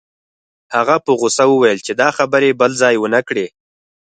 هغه په غوسه وویل چې دا خبرې بل ځای ونه کړې